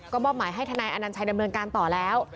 ก็มอบหมายให้ทนายอนัญชัยดำเนินการต่อแล้ว